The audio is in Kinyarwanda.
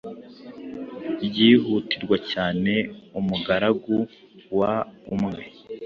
byihutirwa cyane umugaragu wa umwe